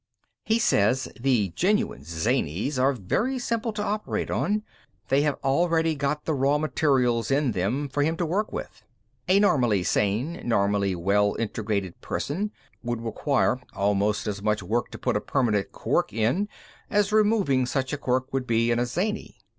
"He says the genuine zanies are very simple to operate on. They have already got the raw materials in them for him to work with. A normally sane, normally well integrated person would require almost as much work to put a permanent quirk in as removing such a quirk would be in a zany.